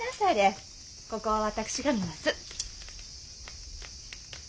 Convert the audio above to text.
ここは私が見ます。